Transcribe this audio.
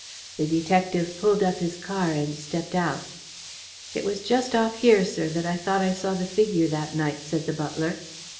The detective pulled up his car and stepped out. "It was just off here, sir, that I thought I saw the figure that night," said the butler.